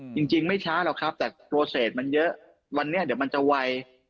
จริงไม่ช้าหรอกครับแต่โปรเศษมันเยอะวันนี้เดี๋ยวมันจะไว